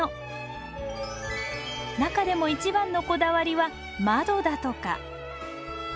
中でも一番のこだわりは窓だとか。